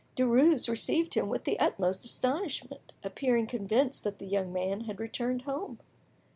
Derues received him with the utmost astonishment, appearing convinced that the young man had returned home.